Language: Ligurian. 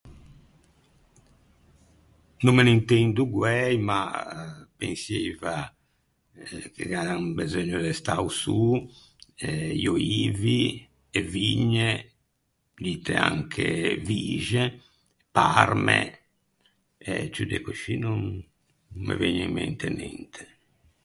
No me n’intendo guæi ma pensieiva che an beseugno de stâ a-o sô i öivi, e vigne, dite anche vixe, parme e ciù de coscì no me vëgne in mente ninte.